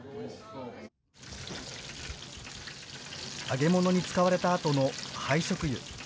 揚げ物に使われたあとの廃食油。